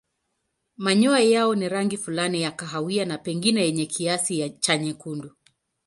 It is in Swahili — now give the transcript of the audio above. Manyoya yao ni rangi fulani ya kahawia na pengine yenye kiasi cha nyekundu.